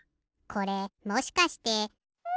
これもしかして。